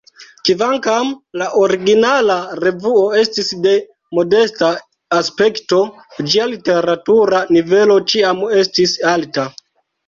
Kvankam la originala revuo estis de modesta aspekto, ĝia literatura nivelo ĉiam estis alta.